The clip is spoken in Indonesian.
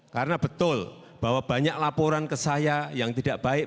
karena betul bahwa banyak laporan ke saya yang tidak baik